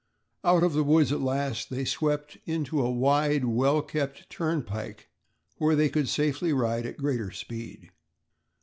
Out of the woods at last they swept into a wide well kept turnpike, where they could safely ride at greater speed.